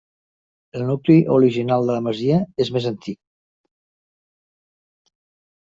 El nucli original de la masia és més antic.